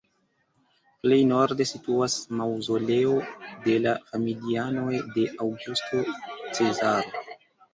Plej norde situas maŭzoleo de la familianoj de Aŭgusto Cezaro.